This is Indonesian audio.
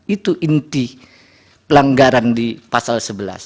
itu inti pelanggaran di pasal sebelas